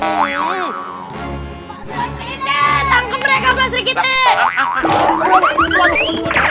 mas riky tangke mereka mas riky